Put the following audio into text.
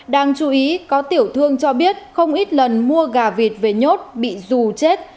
đang chú ý có tiểu thương cho biết không ít lần mua gà vịt về nhốt bị rù chết